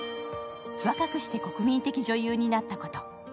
若くして国民的女優になったこと。